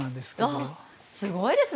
ああすごいですね